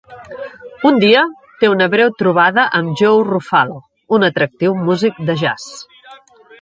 Un dia, té una breu trobada amb Joe Ruffalo, un atractiu músic de jazz.